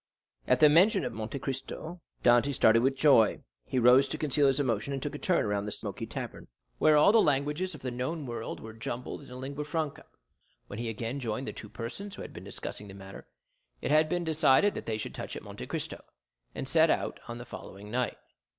At the mention of Monte Cristo Dantès started with joy; he rose to conceal his emotion, and took a turn around the smoky tavern, where all the languages of the known world were jumbled in a lingua franca. When he again joined the two persons who had been discussing the matter, it had been decided that they should touch at Monte Cristo and set out on the following night.